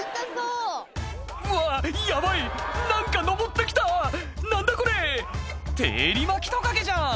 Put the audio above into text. うわヤバい何か上ってきた何だこれ！ってエリマキトカゲじゃん！